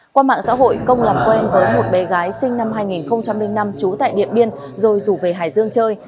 qua mạng xã hội công làm quen với một bé gái sinh năm hai nghìn năm trú tại điện biên rồi rủ về hải dương chơi